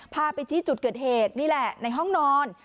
พาไปที่จุดเกิดเหตุนี่แหละในห้องนอน